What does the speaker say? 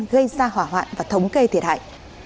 gây ra hỏa hoạn và thống kê thiệt hại